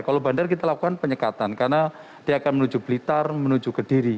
kalau bandar kita lakukan penyekatan karena dia akan menuju blitar menuju kediri